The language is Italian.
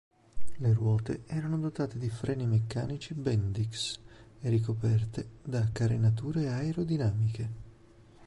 Le ruote erano dotate di freni meccanici Bendix, e ricoperte da carenature aerodinamiche.